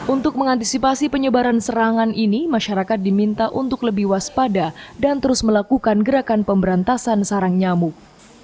untuk mengantisipasi penyebaran serangan ini masyarakat diminta untuk lebih waspada dan terus melakukan gerakan pemberantasan sarang nyamuk